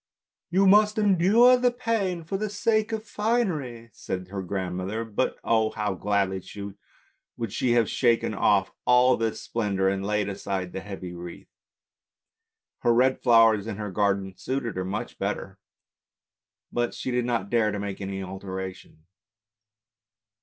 " You must endure the pain for the sake of the finery! " said her grandmother. But oh! how gladly would she have shaken off all this splendour, and laid aside the heavy wreath. Her red flowers in her garden suited her much better, but she did not dare to make any alteration.